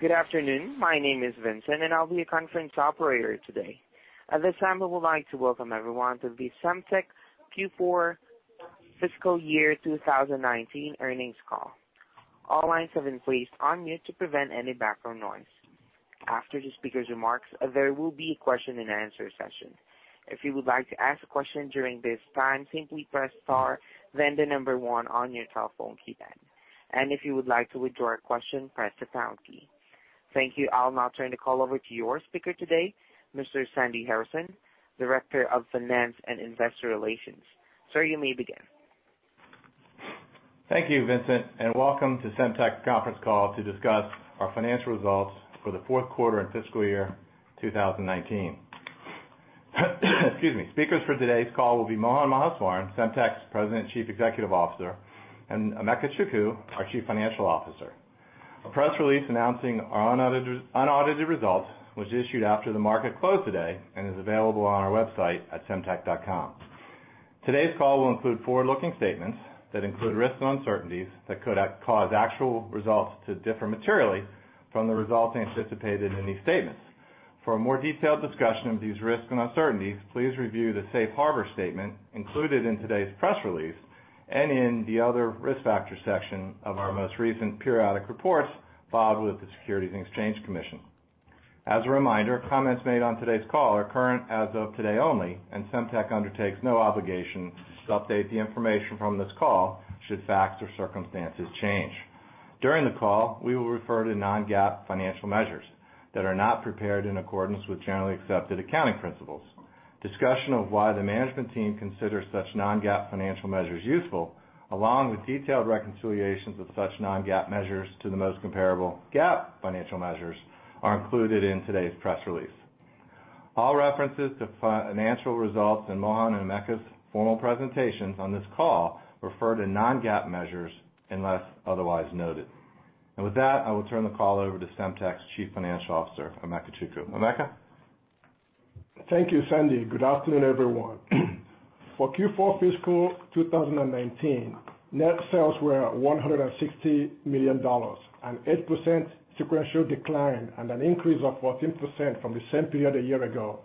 Good afternoon. My name is Vincent, and I'll be your conference operator today. At this time, we would like to welcome everyone to the Semtech Q4 fiscal year 2019 earnings call. All lines have been placed on mute to prevent any background noise. After the speaker's remarks, there will be a question and answer session. If you would like to ask a question during this time, simply press star then 1 on your telephone keypad. If you would like to withdraw a question, press the pound key. Thank you. I'll now turn the call over to your speaker today, Mr. Sandy Harrison, Director of Finance and Investor Relations. Sir, you may begin. Thank you, Vincent, and welcome to Semtech's conference call to discuss our financial results for the fourth quarter and fiscal year 2019. Excuse me. Speakers for today's call will be Mohan Maheswaran, Semtech's President Chief Executive Officer, and Emeka Chukwu, our Chief Financial Officer. A press release announcing our unaudited results was issued after the market closed today and is available on our website at semtech.com. Today's call will include forward-looking statements that include risks and uncertainties that could cause actual results to differ materially from the results anticipated in these statements. For a more detailed discussion of these risks and uncertainties, please review the safe harbor statement included in today's press release and in the Other Risk Factors section of our most recent periodic reports filed with the Securities and Exchange Commission. As a reminder, comments made on today's call are current as of today only, and Semtech undertakes no obligation to update the information from this call should facts or circumstances change. During the call, we will refer to non-GAAP financial measures that are not prepared in accordance with generally accepted accounting principles. Discussion of why the management team considers such non-GAAP financial measures useful, along with detailed reconciliations of such non-GAAP measures to the most comparable GAAP financial measures, are included in today's press release. All references to financial results in Mohan and Emeka's formal presentations on this call refer to non-GAAP measures unless otherwise noted. With that, I will turn the call over to Semtech's Chief Financial Officer, Emeka Chukwu. Emeka? Thank you, Sandy. Good afternoon, everyone. For Q4 fiscal 2019, net sales were $160 million, an 8% sequential decline and an increase of 14% from the same period a year ago.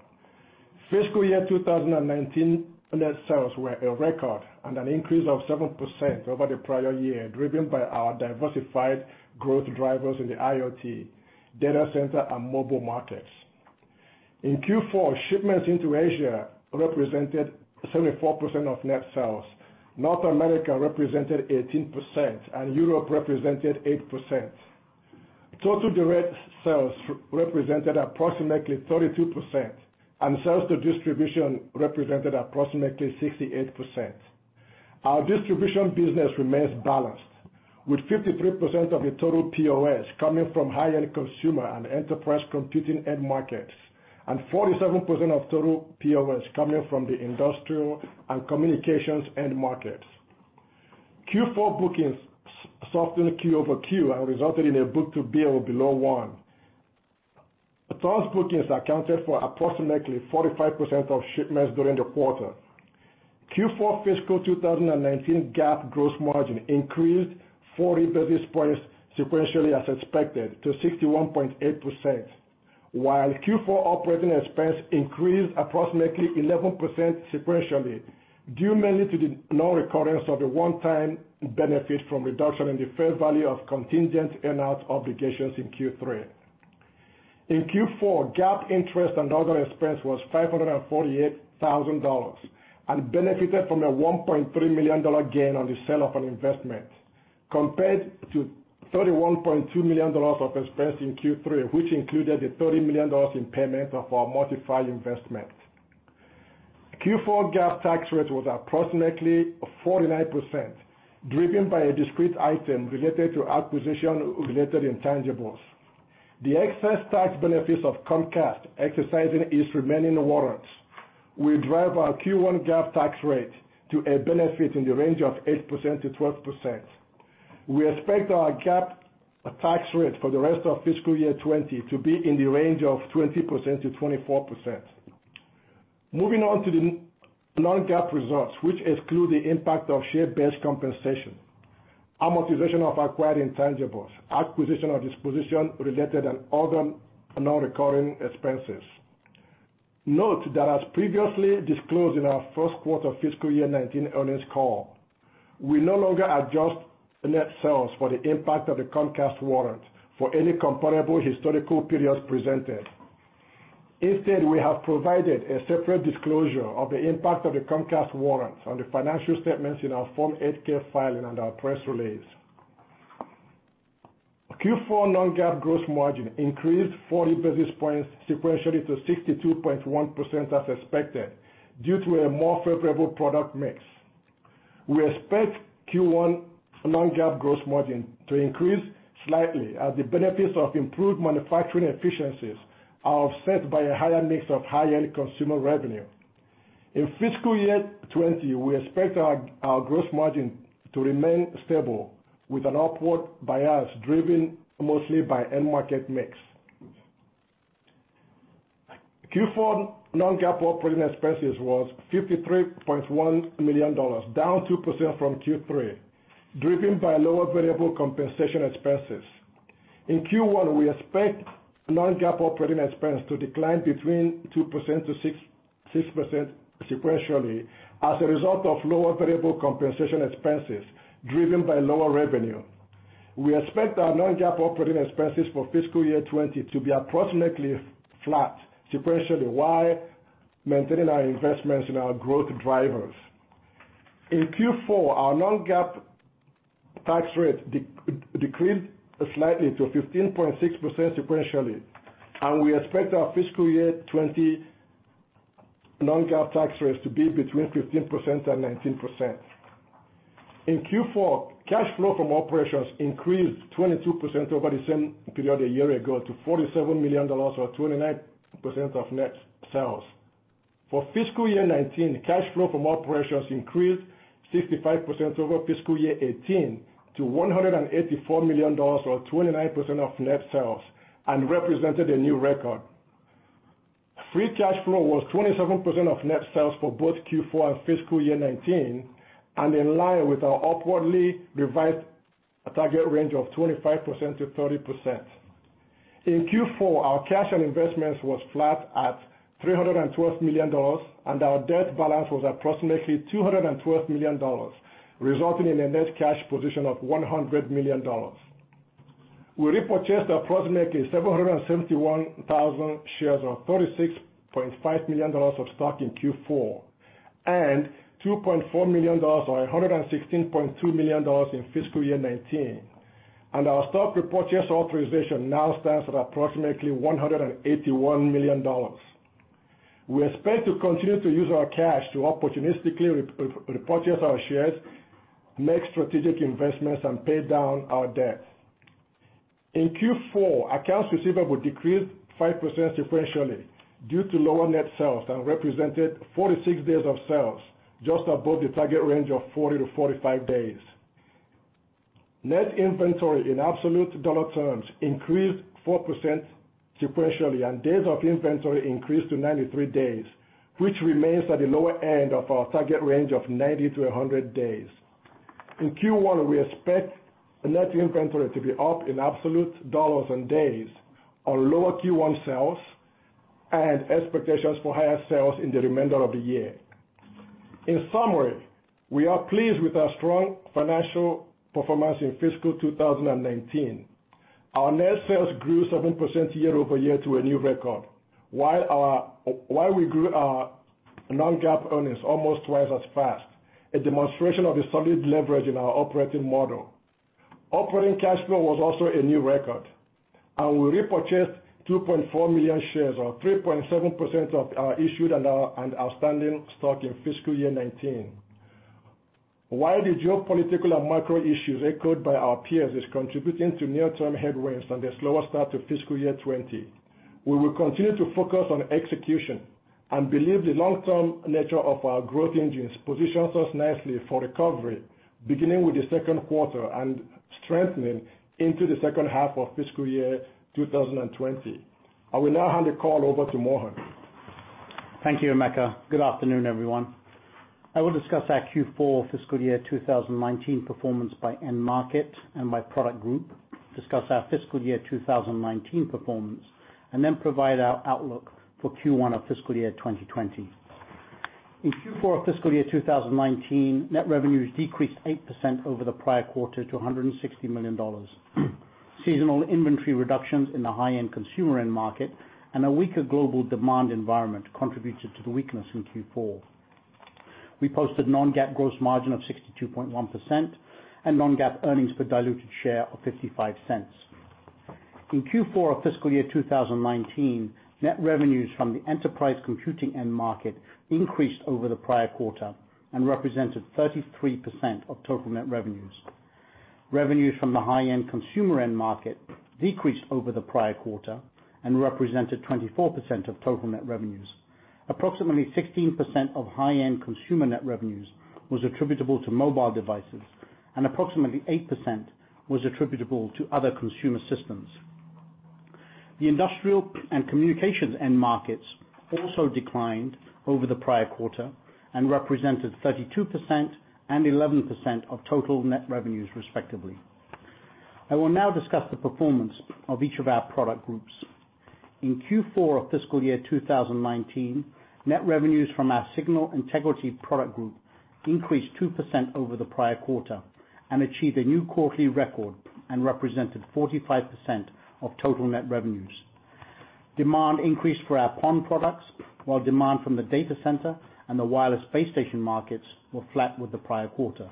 Fiscal year 2019 net sales were a record and an increase of 7% over the prior year, driven by our diversified growth drivers in the IoT, data center, and mobile markets. In Q4, shipments into Asia represented 74% of net sales, North America represented 18%, and Europe represented 8%. Total direct sales represented approximately 32%, and sales to distribution represented approximately 68%. Our distribution business remains balanced, with 53% of the total POS coming from high-end consumer and enterprise computing end markets and 47% of total POS coming from the industrial and communications end markets. Q4 bookings softened Q over Q and resulted in a book-to-bill below one. Those bookings accounted for approximately 45% of shipments during the quarter. Q4 fiscal 2019 GAAP gross margin increased 40 basis points sequentially as expected to 61.8%, while Q4 operating expense increased approximately 11% sequentially, due mainly to the non-recurrence of a one-time benefit from reduction in the fair value of contingent earnout obligations in Q3. In Q4, GAAP interest and other expense was $548,000 and benefited from a $1.3 million gain on the sale of an investment, compared to $31.2 million of expense in Q3, which included the $30 million in payment of our modified investment. Q4 GAAP tax rate was approximately 49%, driven by a discrete item related to acquisition-related intangibles. The excess tax benefits of Comcast exercising its remaining warrants will drive our Q1 GAAP tax rate to a benefit in the range of 8%-12%. We expect our GAAP tax rate for the rest of fiscal year 2020 to be in the range of 20%-24%. Moving on to the non-GAAP results, which exclude the impact of share-based compensation, amortization of acquired intangibles, acquisition or disposition related, and other non-recurring expenses. Note that as previously disclosed in our first quarter fiscal year 2019 earnings call, we no longer adjust net sales for the impact of the Comcast warrant for any comparable historical periods presented. Instead, we have provided a separate disclosure of the impact of the Comcast warrants on the financial statements in our Form 8-K filing and our press release. Q4 non-GAAP gross margin increased 40 basis points sequentially to 62.1% as expected, due to a more favorable product mix. We expect Q1 non-GAAP gross margin to increase slightly as the benefits of improved manufacturing efficiencies are offset by a higher mix of high-end consumer revenue. In fiscal year 2020, we expect our gross margin to remain stable with an upward bias driven mostly by end market mix. Q4 non-GAAP operating expenses was $53.1 million, down 2% from Q3, driven by lower variable compensation expenses. In Q1, we expect non-GAAP operating expense to decline between 2% and 6% sequentially, as a result of lower variable compensation expenses driven by lower revenue. We expect our non-GAAP operating expenses for fiscal year 2020 to be approximately flat sequentially, while maintaining our investments in our growth drivers. In Q4, our non-GAAP tax rate decreased slightly to 15.6% sequentially, and we expect our fiscal year 2020 non-GAAP tax rates to be between 15% and 19%. In Q4, cash flow from operations increased 22% over the same period a year ago to $47 million or 29% of net sales. For fiscal year 2019, cash flow from operations increased 65% over fiscal year 2018 to $184 million or 29% of net sales, and represented a new record. Free cash flow was 27% of net sales for both Q4 and fiscal year 2019, and in line with our upwardly revised target range of 25%-30%. In Q4, our cash and investments was flat at $312 million, and our debt balance was approximately $212 million, resulting in a net cash position of $100 million. We repurchased approximately 771,000 shares of $36.5 million of stock in Q4, and $2.4 million or $116.2 million in fiscal year 2019. Our stock repurchase authorization now stands at approximately $181 million. We expect to continue to use our cash to opportunistically repurchase our shares, make strategic investments, and pay down our debt. In Q4, accounts receivable decreased 5% sequentially due to lower net sales and represented 46 days of sales, just above the target range of 40 to 45 days. Net inventory in absolute dollar terms increased 4% sequentially, and days of inventory increased to 93 days, which remains at the lower end of our target range of 90 to 100 days. In Q1, we expect net inventory to be up in absolute dollars and days on lower Q1 sales and expectations for higher sales in the remainder of the year. In summary, we are pleased with our strong financial performance in fiscal year 2019. Our net sales grew 7% year-over-year to a new record, while we grew our non-GAAP earnings almost twice as fast, a demonstration of the solid leverage in our operating model. Operating cash flow was also a new record. We repurchased 2.4 million shares or 3.7% of our issued and outstanding stock in fiscal year 2019. While the geopolitical and macro issues echoed by our peers is contributing to near-term headwinds and a slower start to fiscal year 2020, we will continue to focus on execution and believe the long-term nature of our growth engines positions us nicely for recovery, beginning with the second quarter and strengthening into the second half of fiscal year 2020. I will now hand the call over to Mohan. Thank you, Emeka. Good afternoon, everyone. I will discuss our Q4 fiscal year 2019 performance by end market and by product group, discuss our fiscal year 2019 performance, then provide our outlook for Q1 of fiscal year 2020. In Q4 of fiscal year 2019, net revenues decreased 8% over the prior quarter to $160 million. Seasonal inventory reductions in the high-end consumer end market and a weaker global demand environment contributed to the weakness in Q4. We posted non-GAAP gross margin of 62.1% and non-GAAP earnings per diluted share of $0.55. In Q4 of fiscal year 2019, net revenues from the enterprise computing end market increased over the prior quarter and represented 33% of total net revenues. Revenues from the high-end consumer end market decreased over the prior quarter and represented 24% of total net revenues. Approximately 16% of high-end consumer net revenues was attributable to mobile devices, approximately 8% was attributable to other consumer systems. The industrial and communications end markets also declined over the prior quarter and represented 32% and 11% of total net revenues respectively. I will now discuss the performance of each of our product groups. In Q4 of fiscal year 2019, net revenues from our Signal Integrity Products group increased 2% over the prior quarter, achieved a new quarterly record and represented 45% of total net revenues. Demand increased for our PON products, while demand from the data center and the wireless base station markets were flat with the prior quarter.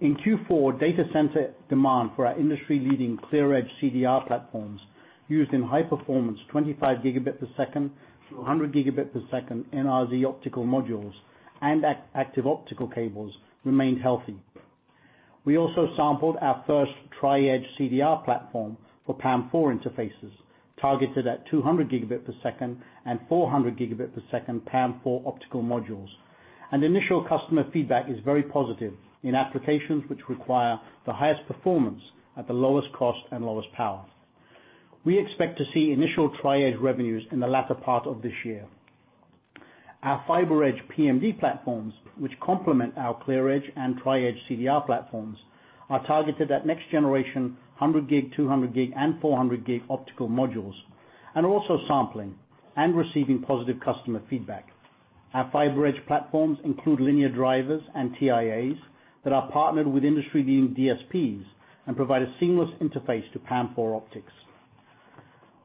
In Q4, data center demand for our industry-leading ClearEdge CDR platforms used in high-performance 25 gigabit per second to 100 gigabit per second NRZ optical modules and active optical cables remained healthy. We also sampled our first Tri-Edge CDR platform for PAM4 interfaces targeted at 200 gigabit per second and 400 gigabit per second PAM4 optical modules. Initial customer feedback is very positive in applications which require the highest performance at the lowest cost and lowest power. We expect to see initial Tri-Edge revenues in the latter part of this year. Our FiberEdge PMD platforms, which complement our ClearEdge and Tri-Edge CDR platforms, are targeted at next generation 100G, 200G, and 400G optical modules, and also sampling and receiving positive customer feedback. Our FiberEdge platforms include linear drivers and TIAs that are partnered with industry-leading DSPs and provide a seamless interface to PAM4 optics.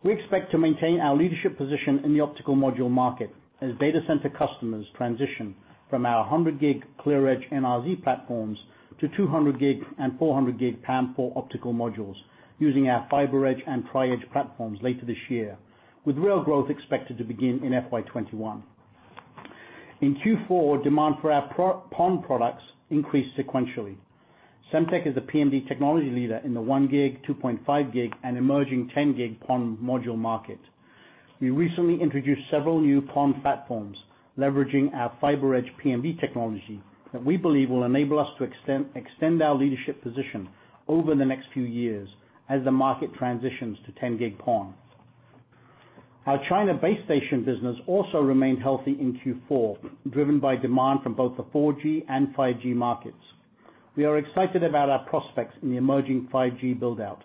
We expect to maintain our leadership position in the optical module market as data center customers transition from our 100G ClearEdge NRZ platforms to 200G and 400G PAM4 optical modules using our FiberEdge and Tri-Edge platforms later this year, with real growth expected to begin in FY 2021. In Q4, demand for our PON products increased sequentially. Semtech is a PMD technology leader in the 1G, 2.5G, and emerging 10G PON module market. We recently introduced several new PON platforms leveraging our FiberEdge PMD technology that we believe will enable us to extend our leadership position over the next few years as the market transitions to 10G PON. Our China base station business also remained healthy in Q4, driven by demand from both the 4G and 5G markets. We are excited about our prospects in the emerging 5G build-out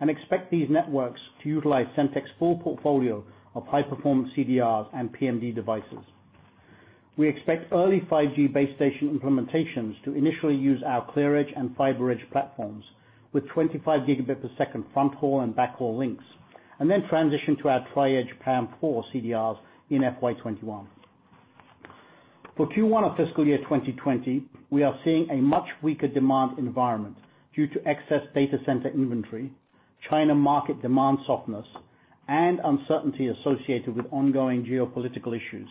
and expect these networks to utilize Semtech's full portfolio of high-performance CDRs and PMD devices. We expect early 5G base station implementations to initially use our ClearEdge and FiberEdge platforms with 25 gigabit per second front haul and back haul links, then transition to our Tri-Edge PAM4 CDRs in FY 2021. For Q1 of fiscal year 2020, we are seeing a much weaker demand environment due to excess data center inventory, China market demand softness, and uncertainty associated with ongoing geopolitical issues.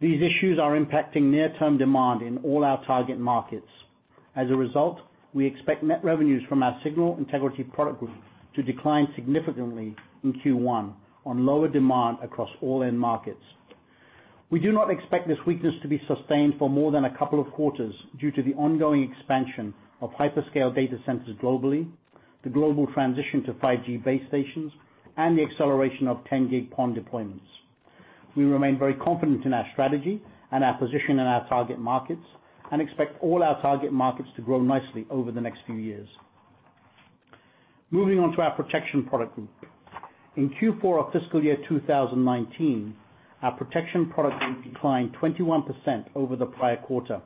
These issues are impacting near-term demand in all our target markets. As a result, we expect net revenues from our signal integrity product group to decline significantly in Q1 on lower demand across all end markets. We do not expect this weakness to be sustained for more than a couple of quarters due to the ongoing expansion of hyperscale data centers globally, the global transition to 5G base stations, and the acceleration of 10G PON deployments. We remain very confident in our strategy and our position in our target markets and expect all our target markets to grow nicely over the next few years. Moving on to our protection product group. In Q4 of fiscal year 2019, our protection product group declined 21% over the prior quarter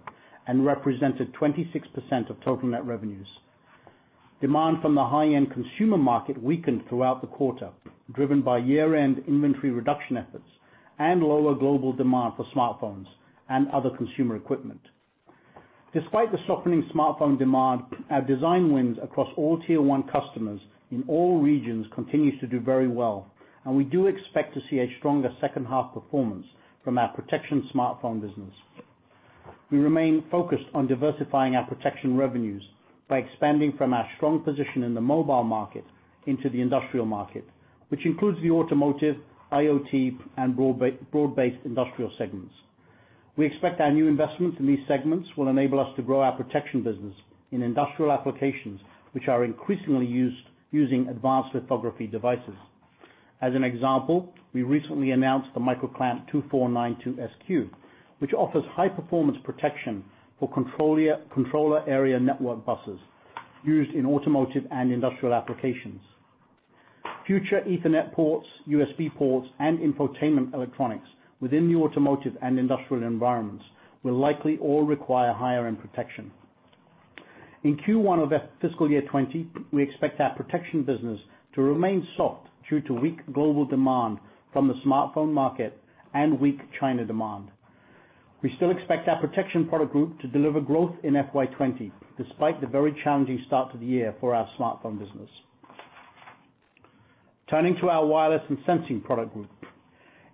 and represented 26% of total net revenues. Demand from the high-end consumer market weakened throughout the quarter, driven by year-end inventory reduction efforts and lower global demand for smartphones and other consumer equipment. Despite the softening smartphone demand, our design wins across all tier 1 customers in all regions continues to do very well, we do expect to see a stronger second half performance from our protection smartphone business. We remain focused on diversifying our protection revenues by expanding from our strong position in the mobile market into the industrial market, which includes the automotive, IoT, and broad-based industrial segments. We expect our new investment in these segments will enable us to grow our protection business in industrial applications, which are increasingly used using advanced lithography devices. As an example, we recently announced the MicroClamp 2492SQ, which offers high performance protection for controller area network buses used in automotive and industrial applications. Future Ethernet ports, USB ports, and infotainment electronics within the automotive and industrial environments will likely all require higher-end protection. In Q1 of fiscal year 2020, we expect our protection business to remain soft due to weak global demand from the smartphone market and weak China demand. We still expect our protection product group to deliver growth in FY 2020, despite the very challenging start to the year for our smartphone business. Turning to our wireless and sensing product group.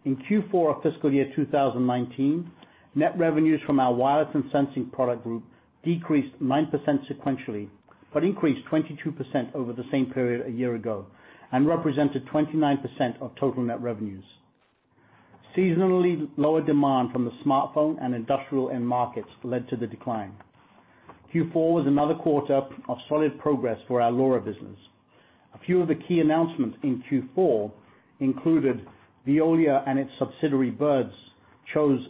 In Q4 of fiscal year 2019, net revenues from our wireless and sensing product group decreased 9% sequentially, increased 22% over the same period a year ago and represented 29% of total net revenues. Seasonally lower demand from the smartphone and industrial end markets led to the decline. Q4 was another quarter of solid progress for our LoRa business. A few of the key announcements in Q4 included Veolia and its subsidiary, Birdz, chose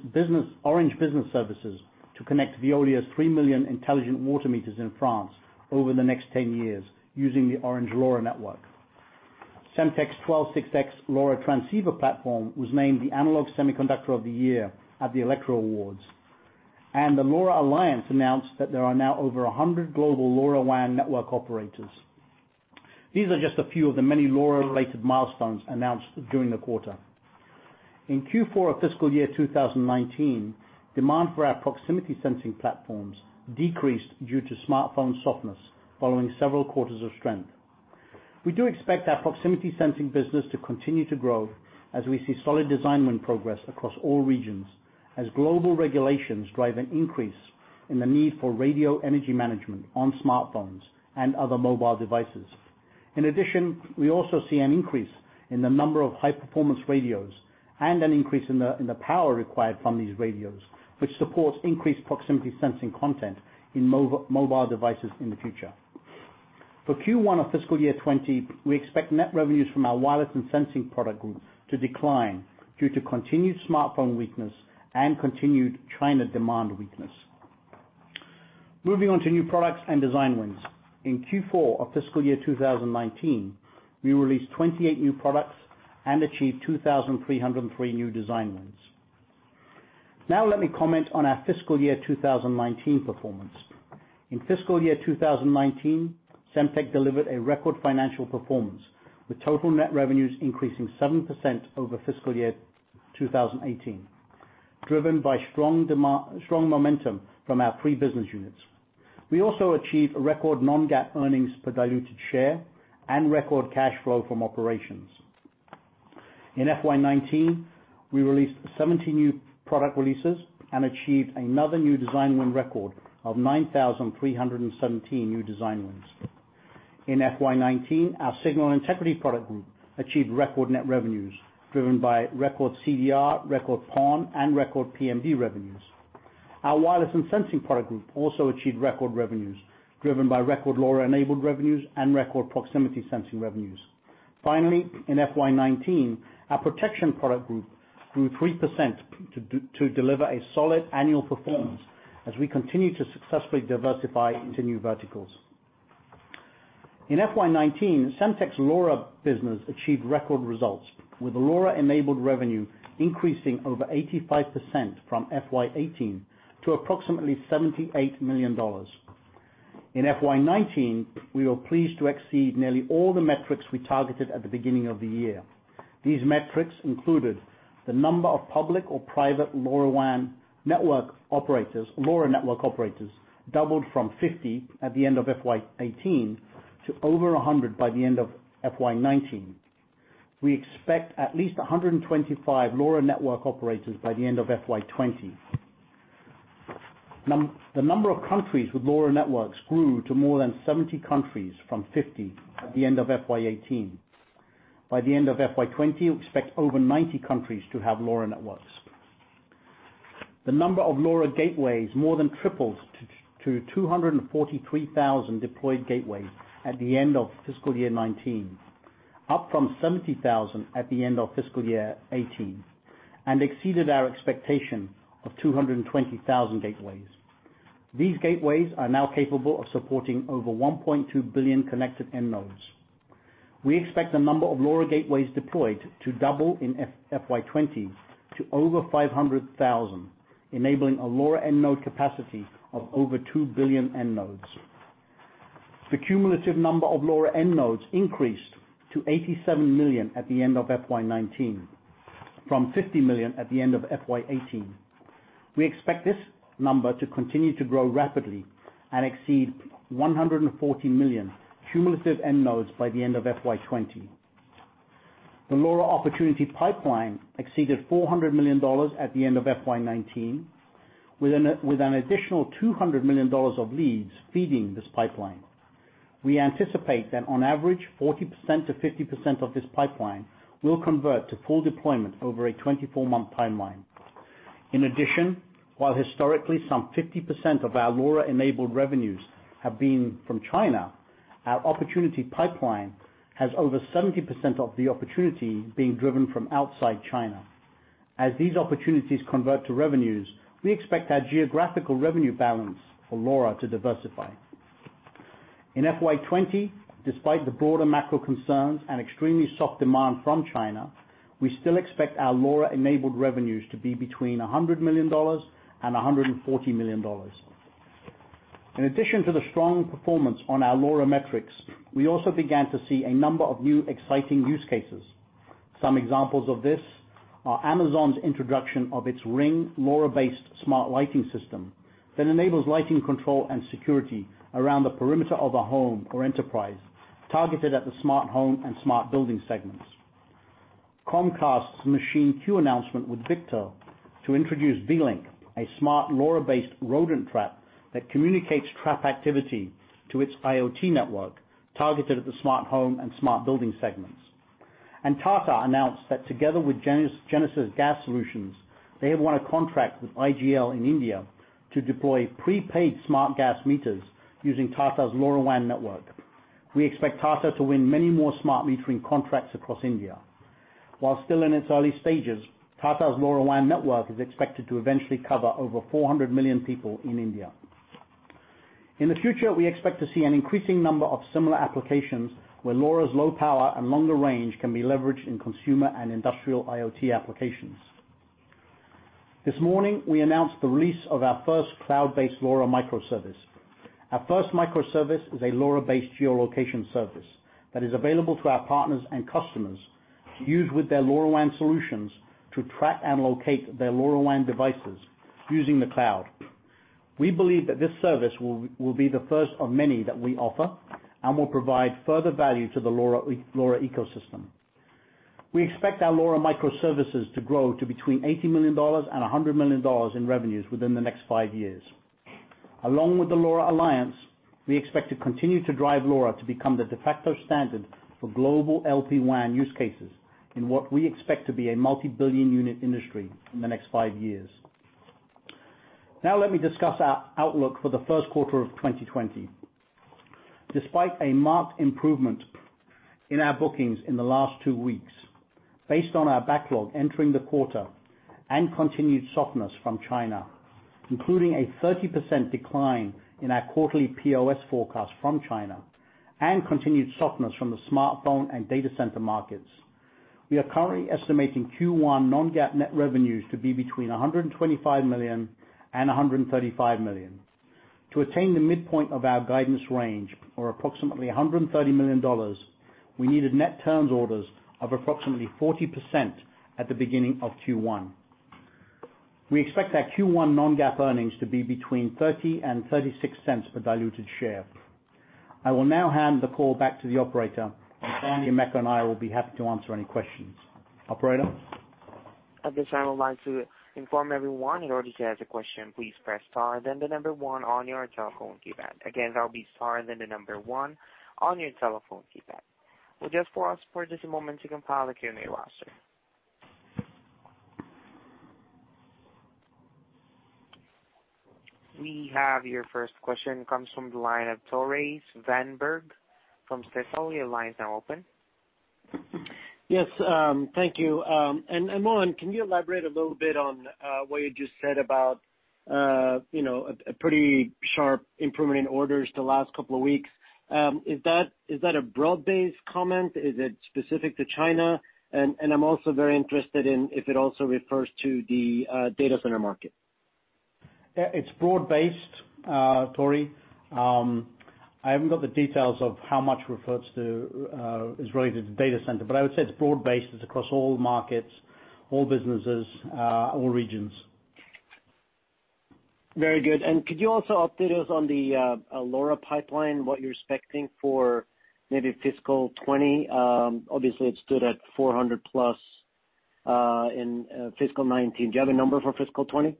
Orange Business Services to connect Veolia's 3 million intelligent water meters in France over the next 10 years using the Orange LoRa network. Semtech's SX126x LoRa transceiver platform was named the Analog Semiconductor of the Year at the Elektra Awards. The LoRa Alliance announced that there are now over 100 global LoRaWAN network operators. These are just a few of the many LoRa-related milestones announced during the quarter. In Q4 of fiscal year 2019, demand for our proximity sensing platforms decreased due to smartphone softness following several quarters of strength. We do expect our proximity sensing business to continue to grow as we see solid design win progress across all regions as global regulations drive an increase in the need for radio energy management on smartphones and other mobile devices. In addition, we also see an increase in the number of high-performance radios and an increase in the power required from these radios, which supports increased proximity sensing content in mobile devices in the future. For Q1 of fiscal year 2020, we expect net revenues from our wireless and sensing product group to decline due to continued smartphone weakness and continued China demand weakness. Moving on to new products and design wins. In Q4 of fiscal year 2019, we released 28 new products and achieved 2,303 new design wins. Let me comment on our fiscal year 2019 performance. In fiscal year 2019, Semtech delivered a record financial performance, with total net revenues increasing 7% over fiscal year 2018, driven by strong momentum from our three business units. We also achieved a record non-GAAP earnings per diluted share and record cash flow from operations. In FY 2019, we released 70 new product releases and achieved another new design win record of 9,317 new design wins. In FY 2019, our Signal Integrity Products group achieved record net revenues, driven by record CDR, record PON, and record PMD revenues. Our wireless and sensing product group also achieved record revenues, driven by record LoRa-enabled revenues and record proximity sensing revenues. Finally, in FY 2019, our protection product group grew 3% to deliver a solid annual performance as we continue to successfully diversify into new verticals. In FY 2019, Semtech's LoRa business achieved record results, with LoRa-enabled revenue increasing over 85% from FY 2018 to approximately $78 million. In FY 2019, we were pleased to exceed nearly all the metrics we targeted at the beginning of the year. These metrics included the number of public or private LoRa network operators doubled from 50 at the end of FY 2018 to over 100 by the end of FY 2019. We expect at least 125 LoRa network operators by the end of FY 2020. The number of countries with LoRa networks grew to more than 70 countries from 50 at the end of FY 2018. By the end of FY 2020, we expect over 90 countries to have LoRa networks. The number of LoRa gateways more than tripled to 243,000 deployed gateways at the end of fiscal year 2019, up from 70,000 at the end of fiscal year 2018, and exceeded our expectation of 220,000 gateways. These gateways are now capable of supporting over 1.2 billion connected end nodes. We expect the number of LoRa gateways deployed to double in FY 2020 to over 500,000, enabling a LoRa end node capacity of over 2 billion end nodes. The cumulative number of LoRa end nodes increased to 87 million at the end of FY 2019, from 50 million at the end of FY 2018. We expect this number to continue to grow rapidly and exceed 140 million cumulative end nodes by the end of FY 2020. The LoRa opportunity pipeline exceeded $400 million at the end of FY 2019, with an additional $200 million of leads feeding this pipeline. We anticipate that on average, 40%-50% of this pipeline will convert to full deployment over a 24-month timeline. In addition, while historically some 50% of our LoRa-enabled revenues have been from China, our opportunity pipeline has over 70% of the opportunity being driven from outside China. As these opportunities convert to revenues, we expect our geographical revenue balance for LoRa to diversify. In FY 2020, despite the broader macro concerns and extremely soft demand from China, we still expect our LoRa-enabled revenues to be between $100 million and $140 million. In addition to the strong performance on our LoRa metrics, we also began to see a number of new exciting use cases. Some examples of this are Amazon's introduction of its Ring LoRa-based smart lighting system that enables lighting control and security around the perimeter of a home or enterprise targeted at the smart home and smart building segments. Comcast's MachineQ announcement with Victor to introduce VLINK, a smart LoRa-based rodent trap that communicates trap activity to its IoT network targeted at the smart home and smart building segments. Tata Communications announced that together with Genesis Gas Solutions, they have won a contract with IGL in India to deploy prepaid smart gas meters using Tata Communications' LoRaWAN network. We expect Tata Communications to win many more smart metering contracts across India. While still in its early stages, Tata Communications' LoRaWAN network is expected to eventually cover over 400 million people in India. In the future, we expect to see an increasing number of similar applications where LoRa's low power and longer range can be leveraged in consumer and industrial IoT applications. This morning, we announced the release of our first cloud-based LoRa microservice. Our first microservice is a LoRa-based geolocation service that is available to our partners and customers to use with their LoRaWAN solutions to track and locate their LoRaWAN devices using the cloud. We believe that this service will be the first of many that we offer and will provide further value to the LoRa ecosystem. We expect our LoRa micro services to grow to between $80 million-$100 million in revenues within the next five years. Along with the LoRa Alliance, we expect to continue to drive LoRa to become the de facto standard for global LPWAN use cases in what we expect to be a multi-billion unit industry in the next five years. Let me discuss our outlook for the first quarter of 2020. Despite a marked improvement in our bookings in the last two weeks, based on our backlog entering the quarter and continued softness from China, including a 30% decline in our quarterly POS forecast from China, and continued softness from the smartphone and data center markets, we are currently estimating Q1 non-GAAP net revenues to be between $125 million and $135 million. To attain the midpoint of our guidance range, or approximately $130 million, we needed net terms orders of approximately 40% at the beginning of Q1. We expect our Q1 non-GAAP earnings to be between $0.30 and $0.36 per diluted share. I will now hand the call back to the operator, and Sandy, Emeka and I will be happy to answer any questions. Operator? At this time, I would like to inform everyone, in order to ask a question, please press star then the number 1 on your telephone keypad. Again, that'll be star then the number 1 on your telephone keypad. Will just pause for just a moment to compile the Q&A roster. We have your first question, comes from the line of Tore Svanberg from Stifel. Your line is now open. Yes. Thank you. Mohan, can you elaborate a little bit on what you just said about a pretty sharp improvement in orders the last couple of weeks? Is that a broad-based comment? Is it specific to China? I'm also very interested in if it also refers to the data center market. It's broad based, Tore. I haven't got the details of how much is related to data center, but I would say it's broad based. It's across all markets, all businesses, all regions. Very good. Could you also update us on the LoRa pipeline, what you're expecting for maybe FY 2020? Obviously, it stood at 400 plus in FY 2019. Do you have a number for FY 2020?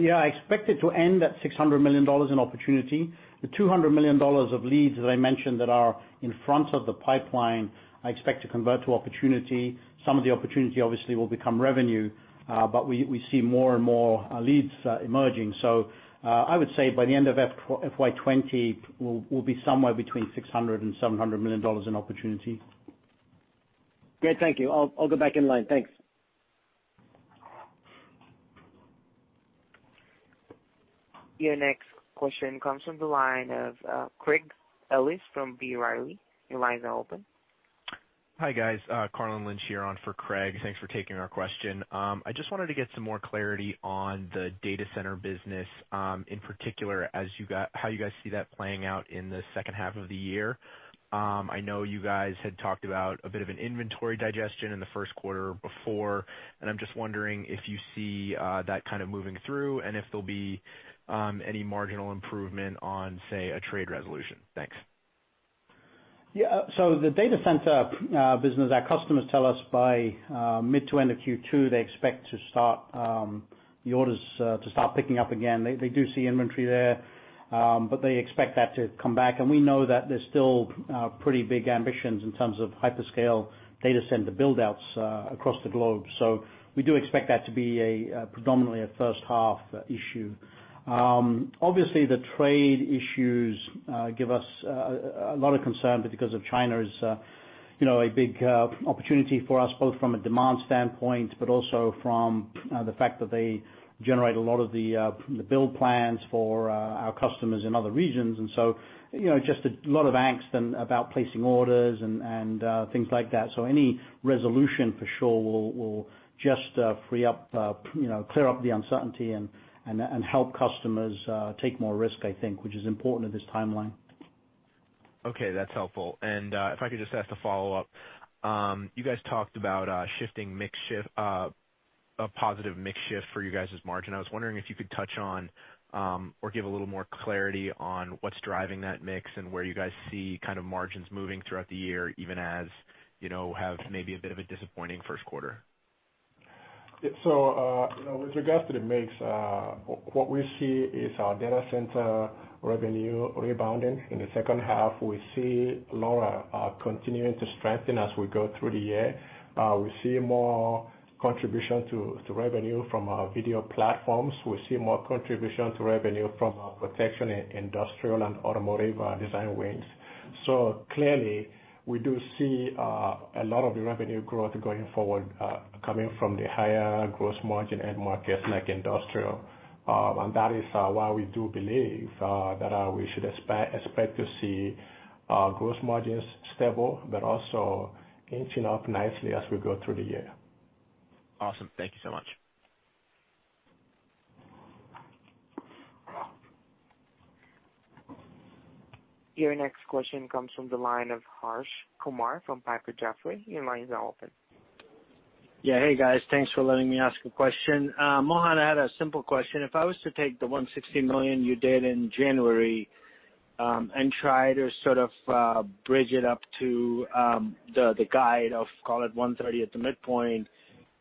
Yeah. I expect it to end at $600 million in opportunity. The $200 million of leads that I mentioned that are in front of the pipeline, I expect to convert to opportunity. Some of the opportunity obviously will become revenue, but we see more and more leads emerging. I would say by the end of FY 2020, we'll be somewhere between $600 and $700 million in opportunity. Great. Thank you. I'll go back in line. Thanks. Your next question comes from the line of Craig Ellis from B. Riley. Your line is now open. Hi, guys. Carlin Lynch here on for Craig. Thanks for taking our question. I just wanted to get some more clarity on the data center business, in particular, how you guys see that playing out in the second half of the year. I know you guys had talked about a bit of an inventory digestion in the first quarter before. I'm just wondering if you see that kind of moving through and if there'll be any marginal improvement on, say, a trade resolution. Thanks. Yeah. The data center business, our customers tell us by mid to end of Q2, they expect the orders to start picking up again. They do see inventory there, but they expect that to come back. We know that there's still pretty big ambitions in terms of hyperscale data center build-outs across the globe. We do expect that to be predominantly a first half issue. Obviously, the trade issues give us a lot of concern because China is a big opportunity for us, both from a demand standpoint, but also from the fact that they generate a lot of the build plans for our customers in other regions. Just a lot of angst about placing orders and things like that. Any resolution for sure will just clear up the uncertainty and help customers take more risk, I think, which is important at this timeline. If I could just ask a follow-up. You guys talked about a positive mix shift for you guys' margin. I was wondering if you could touch on or give a little more clarity on what's driving that mix and where you guys see margins moving throughout the year, even as you have maybe a bit of a disappointing first quarter. With regards to the mix, what we see is our data center revenue rebounding in the second half. We see LoRa continuing to strengthen as we go through the year. We see more contribution to revenue from our video platforms. We see more contribution to revenue from our protection in industrial and automotive design wins. Clearly, we do see a lot of the revenue growth going forward coming from the higher gross margin end markets like industrial. That is why we do believe that we should expect to see our gross margins stable, but also inching up nicely as we go through the year. Awesome. Thank you so much. Your next question comes from the line of Harsh Kumar from Piper Sandler. Your line is now open. Hey, guys. Thanks for letting me ask a question. Mohan, I had a simple question. If I was to take the $160 million you did in January, and try to sort of bridge it up to the guide of, call it, $130 at the midpoint,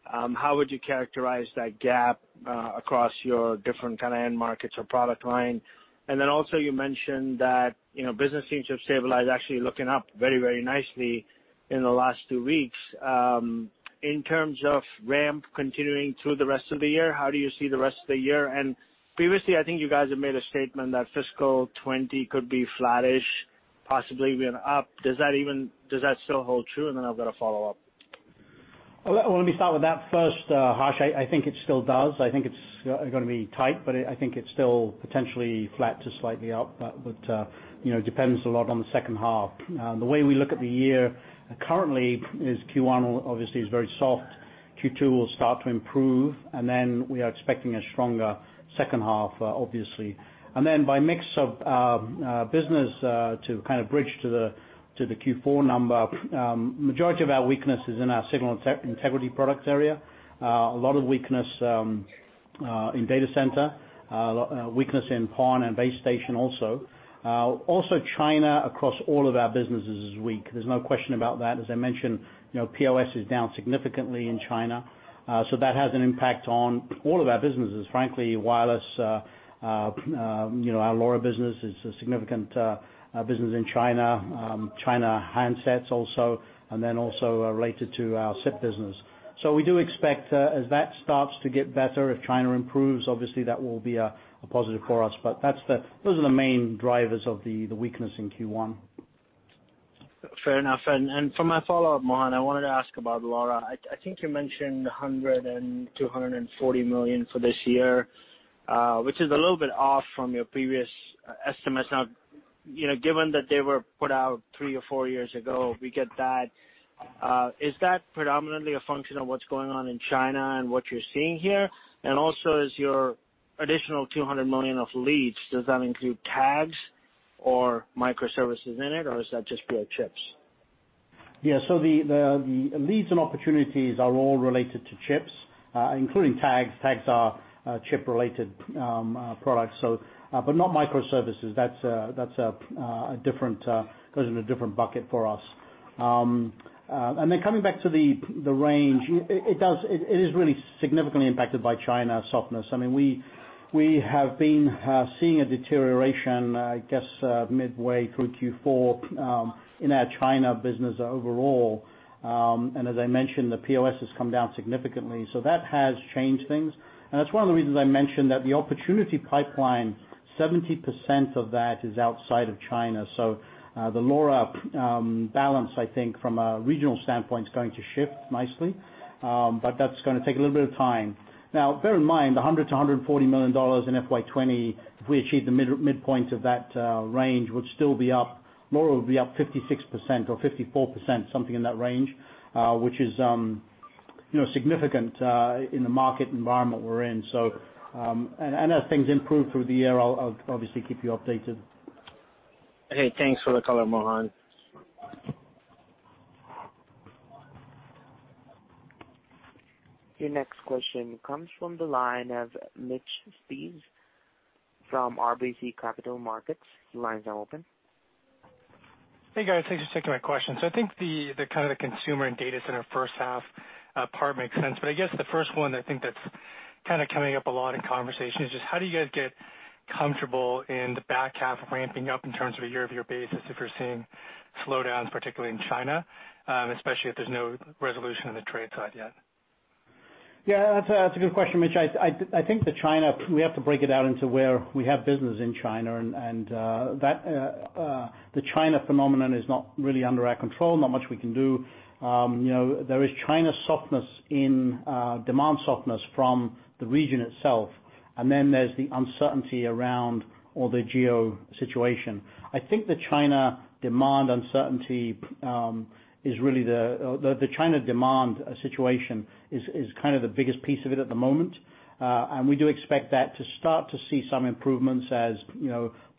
how would you characterize that gap across your different kind of end markets or product line? You mentioned that business seems to have stabilized, actually looking up very nicely in the last two weeks. In terms of ramp continuing through the rest of the year, how do you see the rest of the year? Previously, I think you guys have made a statement that FY 2020 could be flattish, possibly even up. Does that still hold true? I've got a follow-up. Let me start with that first, Harsh. I think it still does. I think it's going to be tight, but I think it's still potentially flat to slightly up. It depends a lot on the second half. The way we look at the year currently is Q1 obviously is very soft. Q2 will start to improve, we are expecting a stronger second half, obviously. By mix of business, to kind of bridge to the Q4 number, majority of our weakness is in our Signal Integrity Products area. A lot of weakness in data center, a weakness in PON and base station also. Also, China across all of our businesses is weak. There's no question about that. As I mentioned, POS is down significantly in China. That has an impact on all of our businesses, frankly, wireless, our LoRa business is a significant business in China. China handsets also, related to our SIP business. We do expect, as that starts to get better, if China improves, obviously that will be a positive for us. Those are the main drivers of the weakness in Q1. Fair enough. For my follow-up, Mohan, I wanted to ask about LoRa. I think you mentioned $100 million and $240 million for this year, which is a little bit off from your previous estimates. Now, given that they were put out three or four years ago, we get that. Is that predominantly a function of what's going on in China and what you're seeing here? Also, is your additional $200 million of leads, does that include tags or microservices in it, or is that just pure chips? Yeah. The leads and opportunities are all related to chips, including tags. Tags are chip-related products. Not microservices. That goes in a different bucket for us. Coming back to the range, it is really significantly impacted by China softness. We have been seeing a deterioration, I guess, midway through Q4, in our China business overall. As I mentioned, the POS has come down significantly. That has changed things. That's one of the reasons I mentioned that the opportunity pipeline, 70% of that is outside of China. The LoRa balance, I think, from a regional standpoint is going to shift nicely. That's going to take a little bit of time. Now, bear in mind, the $100 million-$140 million in FY 2020, if we achieve the midpoint of that range, would still be up, LoRa would be up 56% or 54%, something in that range. Which is significant in the market environment we're in. As things improve through the year, I'll obviously keep you updated. Okay. Thanks for the color, Mohan. Your next question comes from the line of Mitch Steves from RBC Capital Markets. Your line is now open. Hey, guys. Thanks for taking my question. I think the kind of the consumer and data center first half part makes sense, but I guess the first one I think that's kind of coming up a lot in conversation is just how do you guys get comfortable in the back half ramping up in terms of a year-over-year basis if you're seeing slowdowns, particularly in China, especially if there's no resolution on the trade side yet? Yeah, that's a good question, Mitch. I think the China, we have to break it out into where we have business in China, and the China phenomenon is not really under our control, not much we can do. There is China softness in demand softness from the region itself, and then there's the uncertainty around all the geo situation. I think the China demand uncertainty, the China demand situation is kind of the biggest piece of it at the moment. We do expect that to start to see some improvements as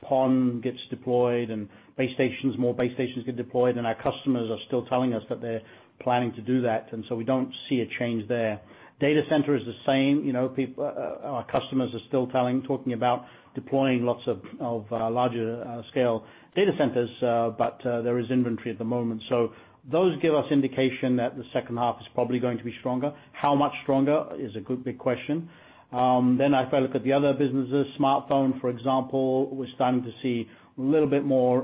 PON gets deployed and base stations, more base stations get deployed and our customers are still telling us that they're planning to do that. We don't see a change there. Data center is the same. Our customers are still talking about deploying lots of larger scale data centers, but there is inventory at the moment. Those give us indication that the second half is probably going to be stronger. How much stronger is a good big question. If I look at the other businesses, smartphone, for example, we're starting to see a little bit more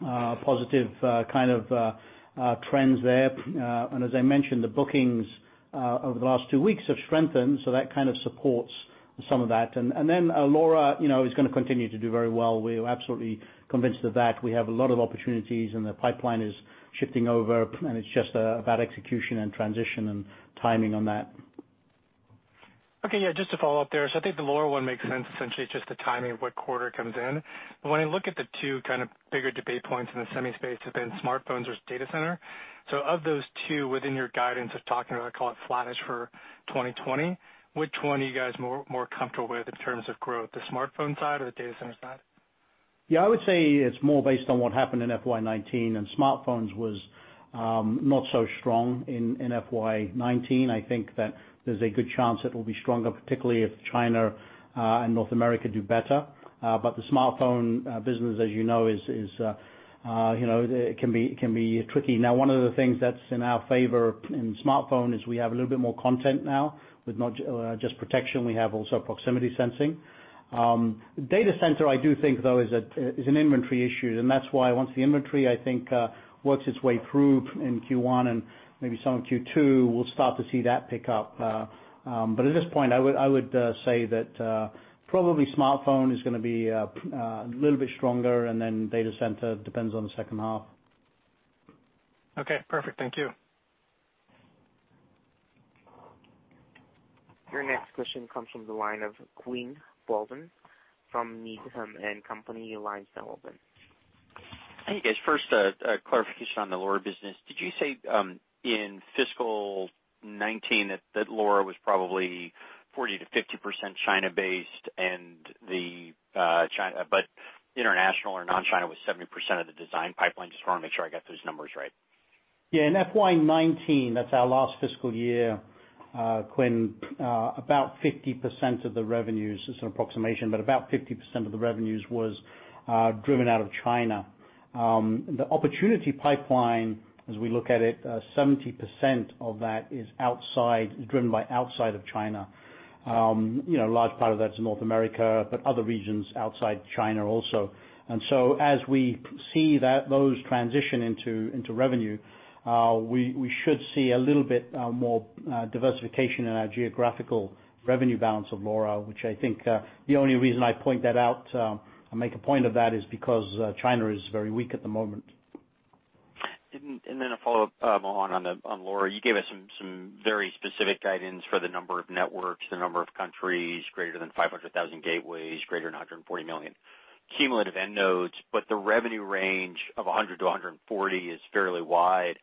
positive kind of trends there. As I mentioned, the bookings over the last two weeks have strengthened, so that kind of supports some of that. LoRa is going to continue to do very well. We're absolutely convinced of that. We have a lot of opportunities, and the pipeline is shifting over, and it's just about execution and transition and timing on that. Okay. Yeah, just to follow up there. I think the LoRa one makes sense, essentially it's just the timing of what quarter it comes in. When I look at the two kind of bigger debate points in the semi space have been smartphones or data center. Of those two, within your guidance of talking about, call it, flattish for 2020, which one are you guys more comfortable with in terms of growth, the smartphone side or the data centers side? Yeah, I would say it's more based on what happened in FY 2019, and smartphones was not so strong in FY 2019. I think that there's a good chance it will be stronger, particularly if China and North America do better. The smartphone business, as you know, it can be tricky. One of the things that's in our favor in smartphone is we have a little bit more content now with not just protection, we have also proximity sensing. Data center, I do think, though, is an inventory issue, and that's why once the inventory, I think, works its way through in Q1 and maybe some in Q2, we'll start to see that pick up. At this point, I would say that probably smartphone is going to be a little bit stronger, and then data center depends on the second half. Okay, perfect. Thank you. Your next question comes from the line of Quinn Bolton from Needham & Company. Your line is now open. Hey, guys. First, a clarification on the LoRa business. Did you say in fiscal 2019 that LoRa was probably 40%-50% China-based, but international or non-China was 70% of the design pipeline? Just want to make sure I got those numbers right. Yeah. In FY 2019, that's our last fiscal year, Quinn, about 50% of the revenues, it's an approximation, but about 50% of the revenues was driven out of China. The opportunity pipeline, as we look at it, 70% of that is driven by outside of China. A large part of that's North America, but other regions outside China also. As we see those transition into revenue, we should see a little bit more diversification in our geographical revenue balance of LoRa, which I think, the only reason I point that out, or make a point of that is because China is very weak at the moment. A follow-up, Mohan, on LoRa. You gave us some very specific guidance for the number of networks, the number of countries, greater than 500,000 gateways, greater than 140 million cumulative end nodes. The revenue range of $100-$140 is fairly wide.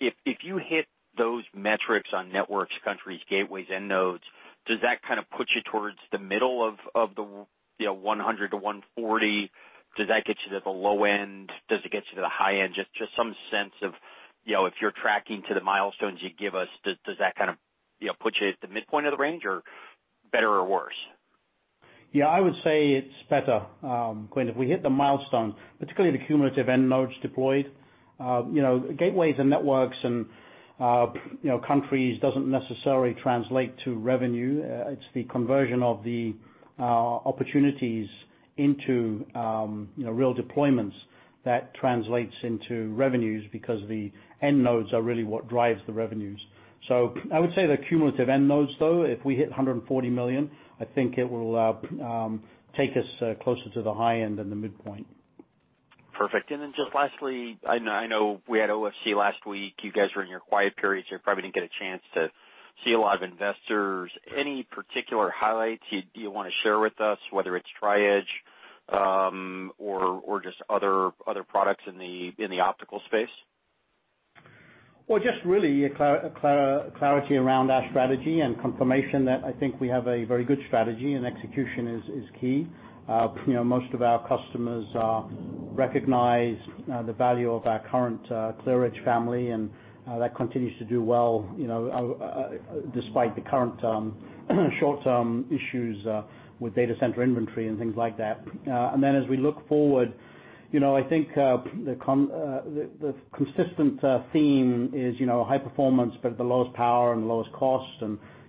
If you hit those metrics on networks, countries, gateways, end nodes, does that kind of put you towards the middle of the $100-$140? Does that get you to the low end? Does it get you to the high end? Just some sense of if you're tracking to the milestones you give us, does that kind of put you at the midpoint of the range, or better or worse? Yeah, I would say it's better, Quinn. If we hit the milestone, particularly the cumulative end nodes deployed. Gateways and networks and countries doesn't necessarily translate to revenue. It's the conversion of the opportunities into real deployments that translates into revenues because the end nodes are really what drives the revenues. I would say the cumulative end nodes, though, if we hit 140 million, I think it will take us closer to the high end than the midpoint. Perfect. Just lastly, I know we had OFC last week. You guys were in your quiet period, so you probably didn't get a chance to see a lot of investors. Any particular highlights you want to share with us, whether it's Tri-Edge, or just other products in the optical space? Clarity around our strategy and confirmation that I think we have a very good strategy, and execution is key. Most of our customers recognize the value of our current ClearEdge family, and that continues to do well despite the current short-term issues with data center inventory and things like that. As we look forward, I think the consistent theme is high performance but at the lowest power and the lowest cost.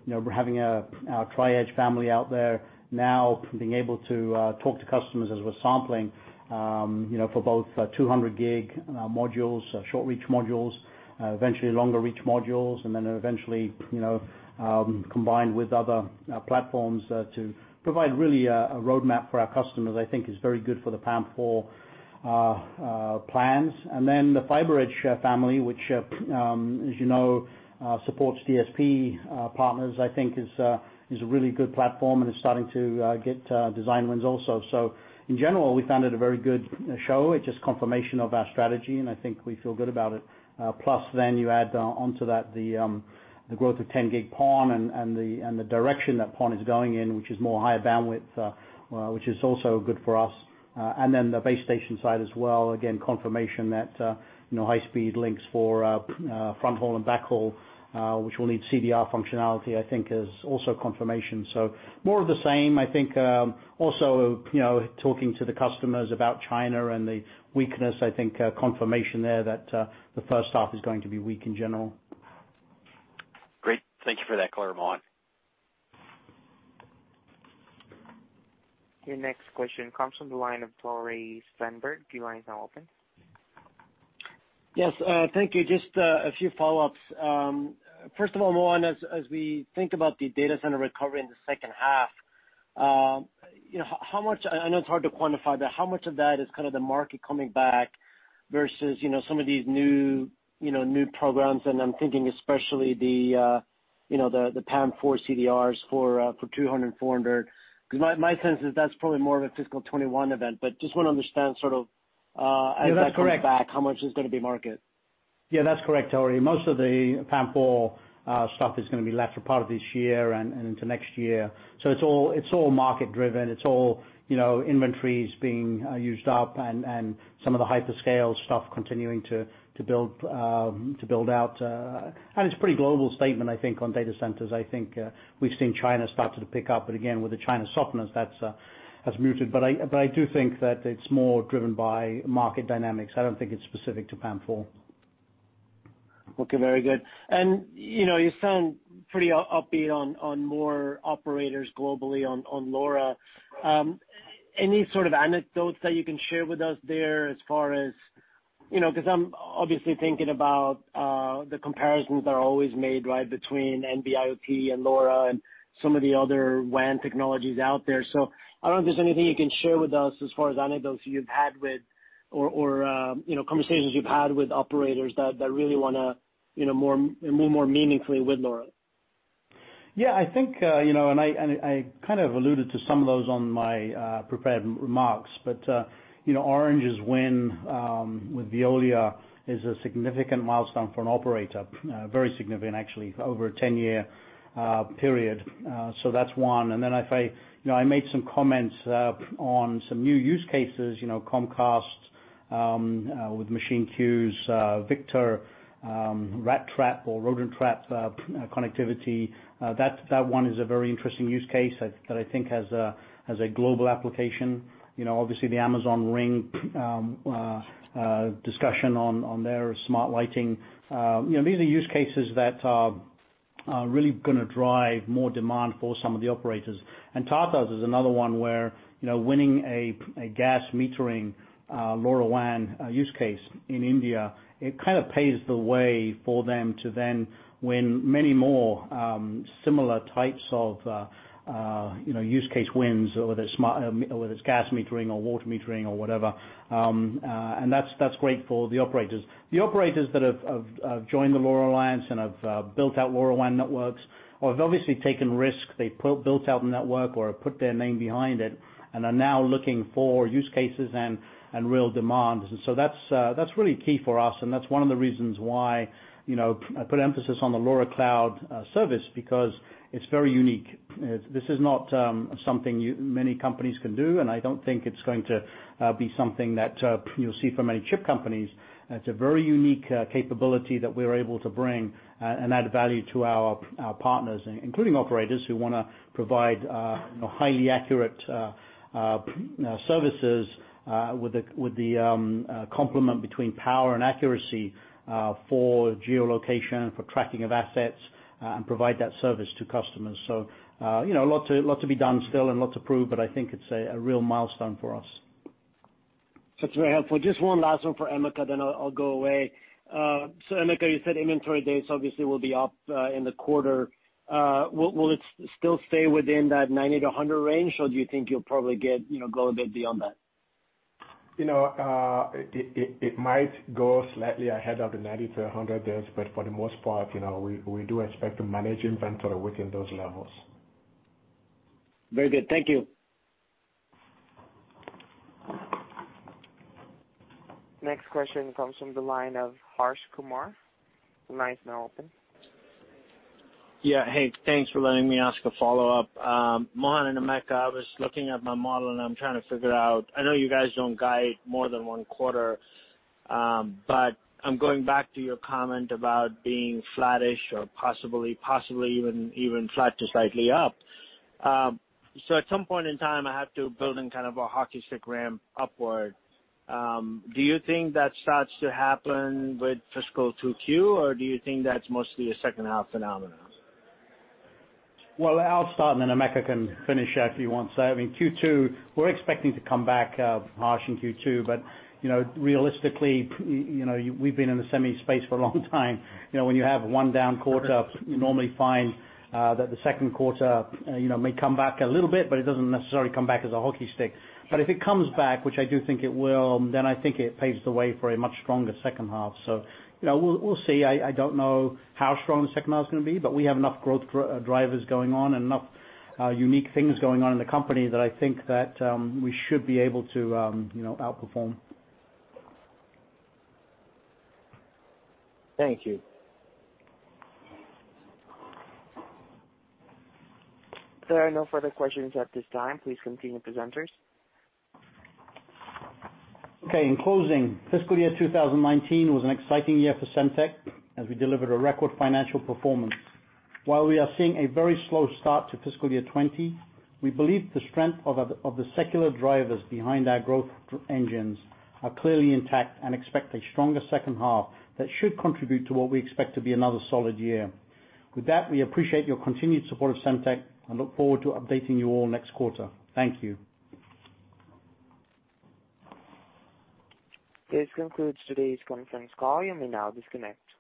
We're having our Tri-Edge family out there now, being able to talk to customers as we're sampling for both 200 gig modules, short-reach modules, eventually longer-reach modules, eventually, combined with other platforms to provide really a roadmap for our customers, I think is very good for the PAM4 plans. The FiberEdge family, which, as you know, supports DSP partners, I think is a really good platform and is starting to get design wins also. In general, we found it a very good show. It's just confirmation of our strategy, and I think we feel good about it. You add onto that the growth of 10 gig PON and the direction that PON is going in, which is more higher bandwidth, which is also good for us. The base station side as well, again, confirmation that high-speed links for front haul and back haul, which will need CDR functionality, I think is also confirmation. More of the same. I think also, talking to the customers about China and the weakness, I think confirmation there that the first half is going to be weak in general. Great. Thank you for that, Mohan. Your next question comes from the line of Tore Svanberg. Your line is now open. Yes. Thank you. Just a few follow-ups. First of all, Mohan, as we think about the data center recovery in the second half, I know it's hard to quantify, but how much of that is kind of the market coming back versus some of these new programs? And I'm thinking especially the PAM4 CDRs for 200 and 400, because my sense is that's probably more of a fiscal 2021 event, but just want to understand. No, that's correct. As that comes back, how much is going to be market? Yeah, that's correct, Tore. Most of the PAM4 stuff is going to be latter part of this year and into next year. It's all market-driven. It's all inventories being used up and some of the hyperscale stuff continuing to build out. It's a pretty global statement, I think, on data centers. I think we've seen China start to pick up, again, with the China softness, that's muted. I do think that it's more driven by market dynamics. I don't think it's specific to PAM4. Okay, very good. You sound pretty upbeat on more operators globally on LoRa. Any sort of anecdotes that you can share with us there as far as Because I'm obviously thinking about the comparisons that are always made, right? Between NB-IoT and LoRa and some of the other WAN technologies out there. I don't know if there's anything you can share with us as far as anecdotes you've had with or conversations you've had with operators that really want to move more meaningfully with LoRa. Yeah, I think, I kind of alluded to some of those on my prepared remarks, Orange's win with Veolia is a significant milestone for an operator. Very significant, actually, over a 10-year period. That's one. If I made some comments on some new use cases, Comcast with MachineQ's Victor rat trap or rodent trap connectivity. That one is a very interesting use case that I think has a global application. Obviously, the Amazon Ring discussion on their smart lighting. These are use cases that are really going to drive more demand for some of the operators. Tata is another one where winning a gas metering LoRaWAN use case in India, it kind of paves the way for them to then win many more similar types of use case wins, whether it's gas metering or water metering or whatever. That's great for the operators. The operators that have joined the LoRa Alliance and have built out LoRaWAN networks or have obviously taken risks, they've built out network or have put their name behind it, and are now looking for use cases and real demand. That's really key for us, and that's one of the reasons why I put emphasis on the LoRa cloud service because it's very unique. This is not something many companies can do, and I don't think it's going to be something that you'll see from any chip companies. It's a very unique capability that we're able to bring and add value to our partners, including operators who want to provide highly accurate services with the complement between power and accuracy for geolocation, for tracking of assets, and provide that service to customers. A lot to be done still and a lot to prove, I think it's a real milestone for us. That's very helpful. Just one last one for Emeka. I'll go away. Emeka, you said inventory days obviously will be up in the quarter. Will it still stay within that 90-100 range, or do you think you'll probably go a bit beyond that? It might go slightly ahead of the 90-100 days. For the most part, we do expect to manage inventory within those levels. Very good. Thank you. Next question comes from the line of Harsh Kumar. Line is now open. Hey, thanks for letting me ask a follow-up. Mohan and Emeka, I was looking at my model. I'm trying to figure out, I know you guys don't guide more than one quarter. I'm going back to your comment about being flattish or possibly even flat to slightly up. At some point in time, I have to build in kind of a hockey stick ramp upward. Do you think that starts to happen with fiscal Q2, or do you think that's mostly a second half phenomenon? Well, I'll start. Emeka can finish if he wants. I mean, Q2, we're expecting to come back, Harsh, in Q2. Realistically, we've been in the semi space for a long time. When you have one down quarter, you normally find that the second quarter may come back a little bit. It doesn't necessarily come back as a hockey stick. If it comes back, which I do think it will, I think it paves the way for a much stronger second half. We'll see. I don't know how strong the second half is going to be. We have enough growth drivers going on and enough unique things going on in the company that I think that we should be able to outperform. Thank you. There are no further questions at this time. Please continue, presenters. Okay. In closing, fiscal year 2019 was an exciting year for Semtech as we delivered a record financial performance. While we are seeing a very slow start to fiscal year 2020, we believe the strength of the secular drivers behind our growth engines are clearly intact and expect a stronger second half that should contribute to what we expect to be another solid year. With that, we appreciate your continued support of Semtech and look forward to updating you all next quarter. Thank you. This concludes today's conference call. You may now disconnect.